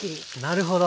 なるほど。